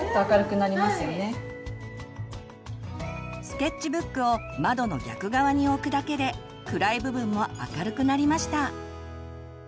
スケッチブックを窓の逆側に置くだけで暗い部分も明るくなりました。